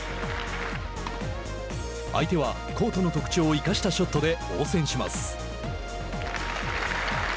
相手はコートの特徴を生かしたショットで応戦します。